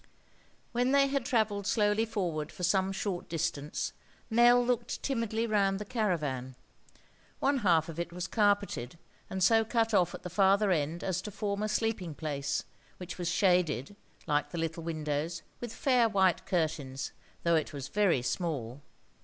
* When they had travelled slowly forward for some short distance, Nell looked timidly round the caravan. One half of it was carpeted, and so cut off at the farther end as to form a sleeping place, which was shaded, like the little windows, with fair white curtains, though it was very small.